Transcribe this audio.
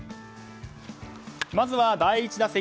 まずは第１打席